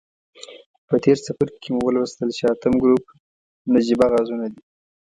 په تیر څپرکي کې مو ولوستل چې اتم ګروپ نجیبه غازونه دي.